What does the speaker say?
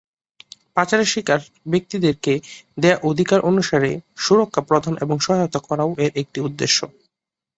পাচারের শিকার ব্যক্তিদেরকে দেয়া অধিকার অনুসারে সুরক্ষা প্রদান ও সহায়তা করাও এর একটি উদ্দেশ্য।